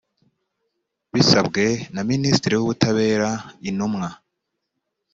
bisabwe na minisitiri w ubutabera intumwa